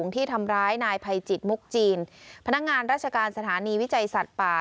ที่ทำร้ายนายภัยจิตมุกจีนพนักงานราชการสถานีวิจัยสัตว์ป่า